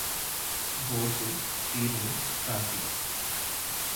బోసు వీరుని క్రాంతి